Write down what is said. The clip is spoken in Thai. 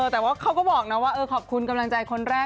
แต่ว่าเขาก็บอกนะว่าเออขอบคุณกำลังใจคนแรก